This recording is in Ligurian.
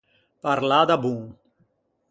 Parlâ da bon.